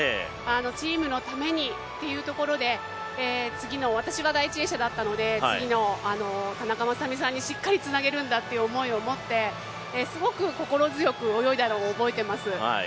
チームのためにっていうところで私が第１泳者だったので次の田中雅美さんにしっかりつなげるんだという思いを持ってすごく心強く泳いだのを覚えています。